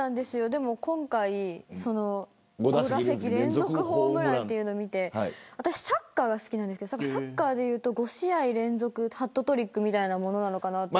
でも今回５打席連続ホームランというのを見て私、サッカーが好きなんですがサッカーでいうと５試合連続ハットトリックみたいなものなのかなと。